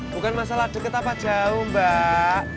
bukan masalah dekat apa jauh mbak